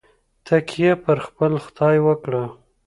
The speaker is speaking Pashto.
تکیه پر خپل خدای وکړه.